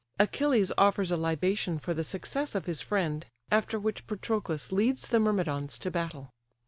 Achilles offers a libation for the success of his friend, after which Patroclus leads the Myrmidons to battle.